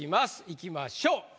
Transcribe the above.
いきましょう。